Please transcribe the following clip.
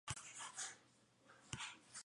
Actualmente lidera el trío de rock La Mono.